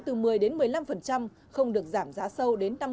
từ một mươi đến một mươi năm không được giảm giá sâu đến năm mươi